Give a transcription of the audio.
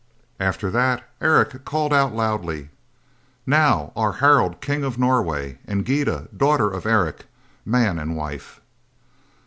After that, Eric called out loudly: "Now, are Harald, King of Norway, and Gyda, daughter of Eric, man and wife."